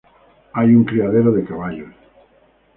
Hay un criadero de caballos.